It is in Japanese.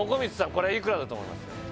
これいくらだと思います？